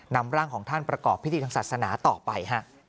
นำร่างของท่านประกอบพิธีทางศาสนาต่อไป